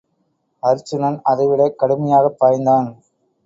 அருச்சுனன் அதைவிடக் கடுமையாகப் பாய்ந்தான்.